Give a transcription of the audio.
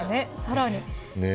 さらに。